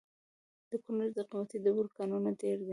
د کونړ د قیمتي ډبرو کانونه ډیر دي؟